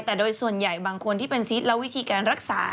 แต่โดยส่วนใหญ่บางคนที่เป็นซีสและวิธีการรักษา